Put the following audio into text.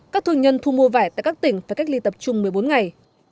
các thương nhân thu mua vải tại các tỉnh phải cách ly tập trung một mươi bốn ngày